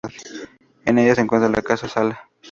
En ella se encuentra la Casa Sala.